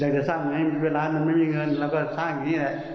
จะสร้างไงเวลามันไม่มีเงินเราก็สร้างอย่างนี้แหละ